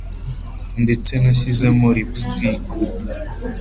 ndetse nashyizemo lipstick